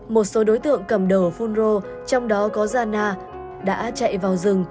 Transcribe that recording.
một số đối tượng cầm đồ phú rô trong đó có zana đã chạy vào rừng